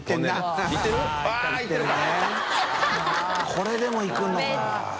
これでもいくのか。